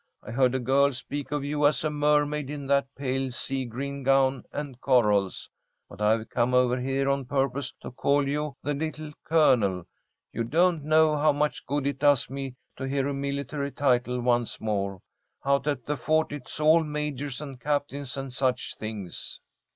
I heard a girl speak of you as a mermaid in that pale sea green gown and corals, but I've come over here on purpose to call you the 'Little Colonel.' You don't know how much good it does me to hear a military title once more. Out at the fort it's all majors and captains and such things."